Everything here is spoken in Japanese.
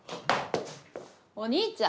お兄ちゃん。